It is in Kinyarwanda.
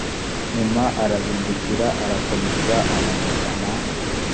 nyuma arahindukira arakomeza amanukana